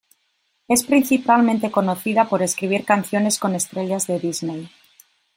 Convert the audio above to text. Es principalmente conocida por escribir canciones con estrellas de Disney.